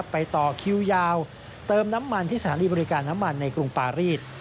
ไปต่อคิวยาวเติมน้ำมันที่สถานีบริการน้ำมันในกรุงปารีส